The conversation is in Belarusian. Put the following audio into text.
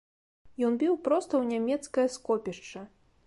Ён біў проста ў нямецкае скопішча.